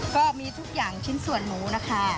ก็มีทุกอย่างชิ้นส่วนหมูนะคะ